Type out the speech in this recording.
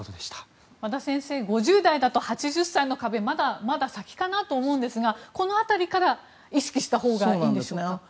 和田先生５０代だと８０歳の壁はまだまだ先だと思ってしまうんですがこの辺りから意識したほうがいいんですか。